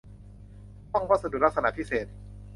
ห้องวัสดุลักษณะพิเศษ